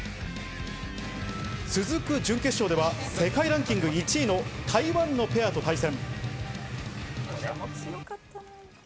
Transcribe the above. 続く準決勝では世界ランキング１位の台湾のペアと対戦。